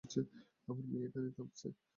আমার মেয়ে এখানে থাকছে?